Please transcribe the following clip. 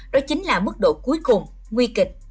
đó chính là mức độ cuối cùng nguy kịch